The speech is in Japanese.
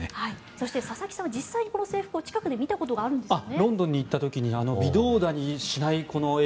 そして、佐々木さんは実際にこの制服を近くで見たことがあるんですよね。